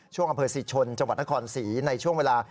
ช่วงอำเภอศรีชนจังหวัดนครศรีในช่วงเวลา